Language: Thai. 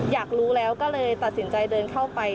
อยากรู้แล้วก็เลยตัดสินใจเดินเข้าไป